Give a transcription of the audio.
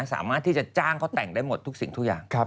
สามารถที่จะจ้างเขาแต่งได้หมดทุกสิ่งทุกอย่าง